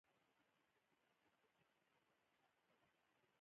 د امر منل یی واجب ګڼل سوی دی .